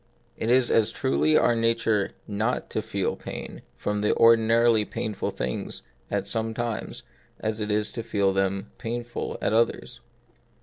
It is as truly our nature not to feel pain from the ordinarily painful things at some times, as it is to feel them painful at others.